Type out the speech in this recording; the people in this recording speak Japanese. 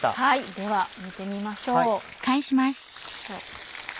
では見てみましょう。